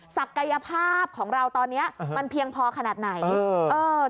ศักยภาพของเราตอนนี้มันเพียงพอขนาดไหน